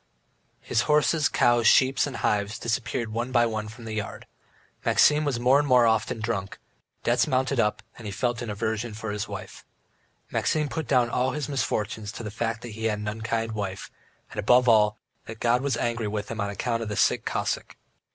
His horses, cows, sheep, and hives disappeared one by one from the yard; Maxim was more and more often drunk, debts mounted up, he felt an aversion for his wife. Maxim put down all his misfortunes to the fact that he had an unkind wife, and above all, that God was angry with him on account of the sick Cossack.